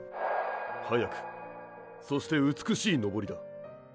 速くそして美しい登りだ。